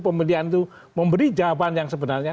pemilihan itu memberi jawaban yang sebenarnya